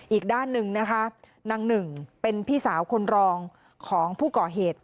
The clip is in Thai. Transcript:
อีกด้านหนึ่งนะคะนางหนึ่งเป็นพี่สาวคนรองของผู้ก่อเหตุ